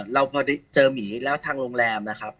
เราพอเจอหมีแล้วทางโรงแรมนะครับ